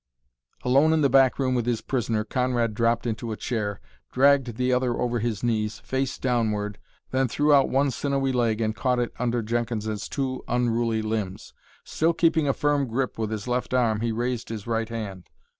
Alone in the back room with his prisoner, Conrad dropped into a chair, dragged the other over his knees, face downward, then threw out one sinewy leg and caught under it Jenkins's two unruly limbs. Still keeping a firm grip with his left arm, he raised his right hand.